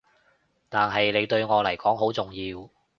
但係你對我嚟講好重要